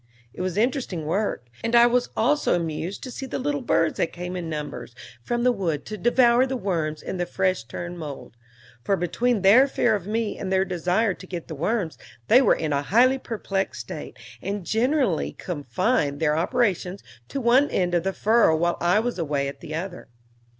It was interesting work; and I was also amused to see the little birds that came in numbers from the wood to devour the worms in the fresh turned mold; for between their fear of me and their desire to get the worms, they were in a highly perplexed state, and generally confined their operations to one end of the furrow while I was away at the other.